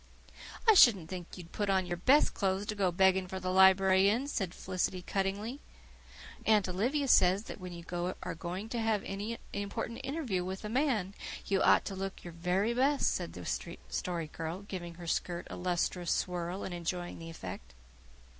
"I shouldn't think you'd put on your best clothes to go begging for the library in," said Felicity cuttingly. "Aunt Olivia says that when you are going to have an important interview with a man you ought to look your very best," said the Story Girl, giving her skirt a lustrous swirl and enjoying the effect.